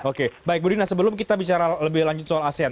oke baik bu dina sebelum kita bicara lebih lanjut soal asean